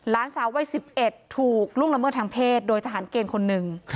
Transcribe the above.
หลานสาววัย๑๑ถูกล่วงละเมิดทางเพศโดยทหารเกณฑ์คนหนึ่ง